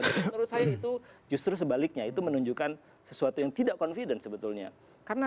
menurut saya itu justru sebaliknya itu menunjukkan sesuatu yang tidak confident sebetulnya karena